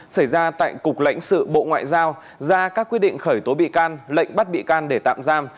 xảy ra tại cục lãnh sự bộ ngoại giao ra các quyết định khởi tố bị can lệnh bắt bị can để tạm giam